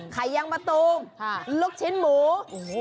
ไข่ยังประตูงลูกชิ้นหมู